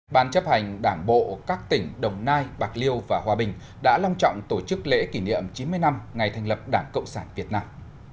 ban chấp hành đảng bộ các tỉnh đồng nai bạc liêu và hòa bình đã long trọng tổ chức lễ kỷ niệm chín mươi năm ngày thành lập đảng cộng sản việt nam